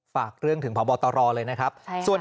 ฝากเรื่องถึงพบตรเลยนะครับ